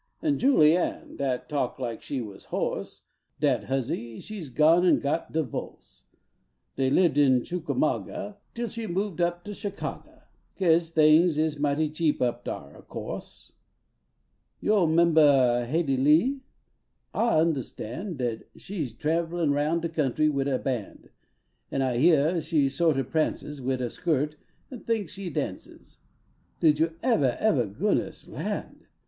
An Jiilie Ann dat talk like she was hoarse, Dat huzzy she s done gone an got divorce, Dey lived in Chickamauga Till she moved up to Chicagah, Kase tings is mighty cheap up dar ob course. 49 Vo niL inbah Haidee I,ee? I undahstan Dat she s trablin roun de country wid a band, An I heah she sort o prances Wid a skirt an thinks she dances, Did yon evah, evah, goodness land !